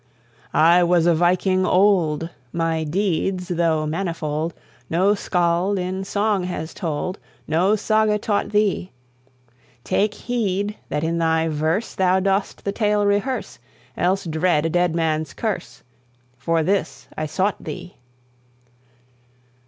"I was a Viking old! My deeds, though manifold, No Skald in song has told, No Saga taught thee! Take heed that in thy verse Thou dost the tale rehearse, Else dread a dead man's curse; For this I sought thee.